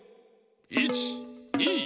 １２